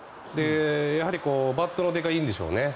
バットの出がいいんでしょうね。